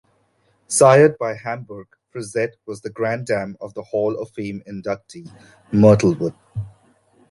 Sired by Hamburg, Frizette was the granddam of the Hall of Fame inductee, Myrtlewood.